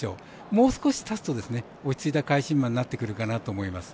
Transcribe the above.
もう少したつと落ち着いた返し馬になってくるかなと思います。